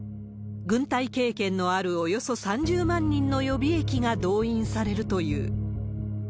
軍隊経験のあるおよそ３０万人の予備役が動員されるという。